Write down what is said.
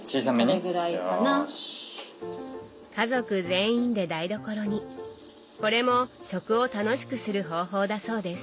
家族全員で台所にこれも「食」を楽しくする方法だそうです。